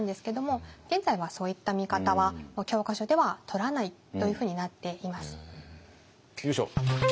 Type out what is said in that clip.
現在はそういった見方はもう教科書ではとらないというふうになっています。